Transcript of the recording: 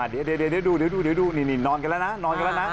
เดี๋ยวดูนอนกันแล้วนะ